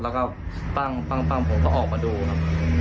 แล้วก็ปั้งผมก็ออกมาดูครับ